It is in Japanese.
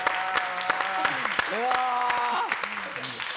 うわ！